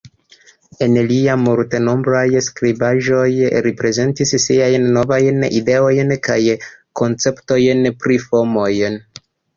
En liaj multenombraj skribaĵoj, li prezentis siajn novajn ideojn kaj konceptojn pri formoj.